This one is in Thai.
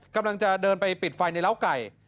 กำลังจะเดินไปปิดไฟในร้าวไก่